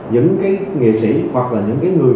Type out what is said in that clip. những cái nghệ sĩ hoặc là những cái người